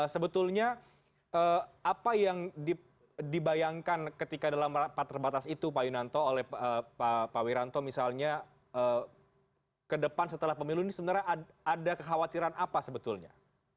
sebetulnya apa yang dibayangkan ketika dalam rapat terbatas itu pak yunanto oleh pak wiranto misalnya ke depan setelah pemilu ini sebenarnya ada kekhawatiran apa sebetulnya